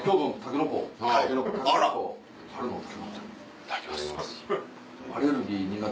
いただきます。